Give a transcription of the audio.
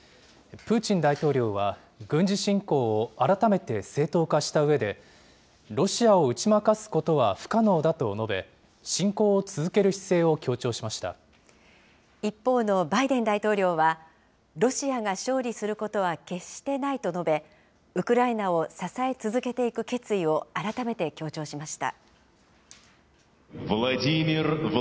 プーチン大統領は、軍事侵攻を改めて正当化したうえで、ロシアを打ち負かすことは不可能だと述べ、一方のバイデン大統領は、ロシアが勝利することは決してないと述べ、ウクライナを支え続けていく決意を改めて強調しました。